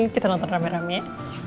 kita nonton rame rame